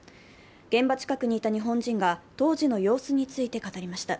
現場近くにいた日本人が当時の様子について語りました。